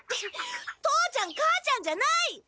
父ちゃん母ちゃんじゃない！